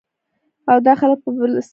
او دا خلک به پلستر د څۀ نه کوي ـ